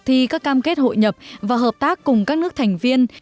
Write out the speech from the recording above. việt nam thực thi các cam kết hội nhập và hợp tác cùng các nước thành viên